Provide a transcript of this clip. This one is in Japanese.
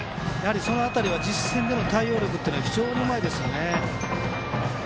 その辺りは実戦での対応力が非常にうまいですね。